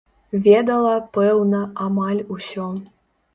Ведала, пэўна, амаль усё.